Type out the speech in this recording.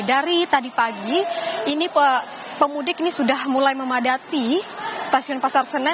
dari tadi pagi ini pemudik ini sudah mulai memadati stasiun pasar senen